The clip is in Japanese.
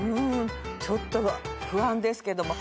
ちょっと不安ですけども。